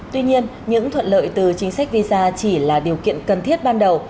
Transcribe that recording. tuy nhiên những thuận lợi từ chính sách visa chỉ là điều kiện cần thiết ban đầu